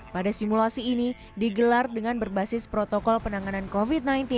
pada simulasi ini digelar dengan berbasis protokol penanganan covid sembilan belas